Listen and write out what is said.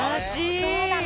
そうなの。